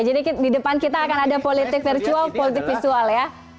jadi di depan kita akan ada politik virtual politik visual ya